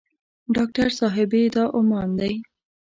ډاکټر صاحبې دا عمان دی.